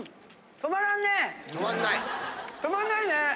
止まんないね。